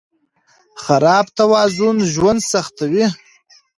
خراب توازن ژوند سختوي.